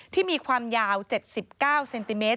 มีความยาว๗๙เซนติเมตร